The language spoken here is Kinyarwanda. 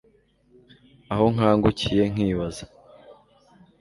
aho nkangukiye nkibaza